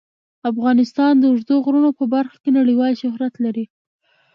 افغانستان د اوږدو غرونو په برخه کې نړیوال شهرت لري.